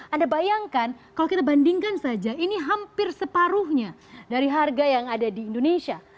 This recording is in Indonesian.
anda bayangkan kalau kita bandingkan saja ini hampir separuhnya dari harga yang ada di indonesia